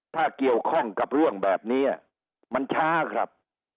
ถ้าเกี่ยวข้องกับเรื่องแบบนี้มันช้าครับ